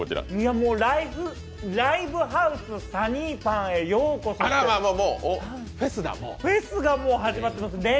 もうライブハウス、サニーパンへようこそって、フェスがもう始まってます。